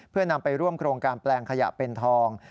เพื่อนำไปร่วมโครงการแปลงขยะเป็นทอง